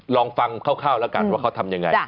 ลองฟังคร่าวแล้วกันว่าเขาทำยังไง